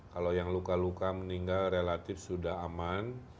kalau yang luka luka meninggal relatif sudah aman